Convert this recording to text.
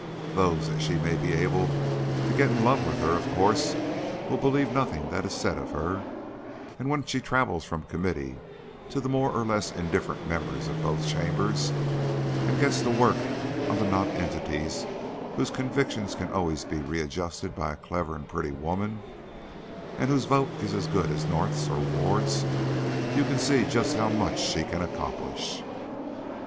Those that she may be able to get in love with her, of course will believe nothing that is said of her, and when she travels from the Committees to the more or less indifferent members of both chambers, and gets to work on the nonentities whose convictions can always be readjusted by a clever and pretty woman, and whose vote is as good as North's or Ward's, you see just how much she can accomplish."